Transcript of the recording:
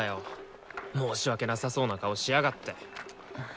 申し訳なさそうな顔しやがって。